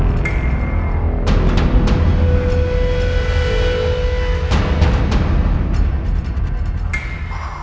sebagai pembawa kembali ke dunia